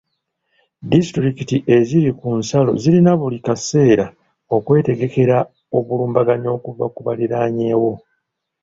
Disitulikiti eziri ku nsalo zirina buli kaseera okwetegekera obulumbaganyi okuva ku baliraanyewo.